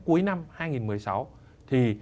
cuối năm hai nghìn một mươi sáu thì